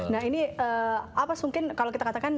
nah ini apa mungkin kalau kita katakan